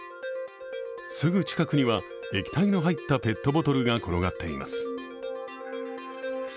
すぐ近くには液体の入ったペットボトルが転がっています。